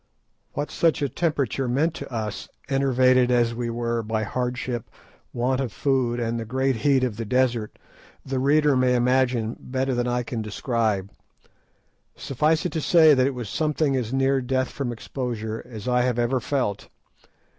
What such a temperature meant to us, enervated as we were by hardship, want of food, and the great heat of the desert, the reader may imagine better than I can describe. Suffice it to say that it was something as near death from exposure as I have ever felt.